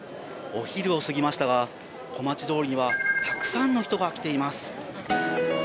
お昼を過ぎましたが小町通りにはたくさんの人が来ています。